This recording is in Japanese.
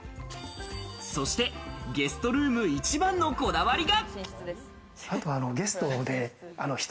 そしてゲストルーム一番のこだわりが。